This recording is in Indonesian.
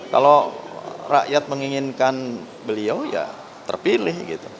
kalau rakyat menginginkan beliau ya terpilih gitu